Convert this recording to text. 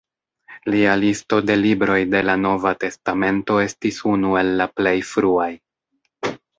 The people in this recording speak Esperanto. Lia listo de libroj de la Nova testamento estis unu el la plej fruaj.